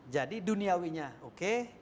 jadi duniawinya oke